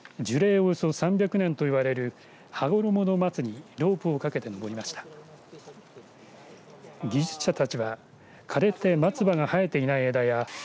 およそ３００年といわれる羽衣の松にロープをかけて登りました。